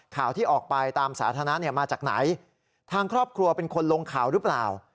ข่าวที่ออกไปตามสาธารณะเนี่ยมาจากไหนทางครอบครัวเป็นคนลงข่าวหรือเปล่า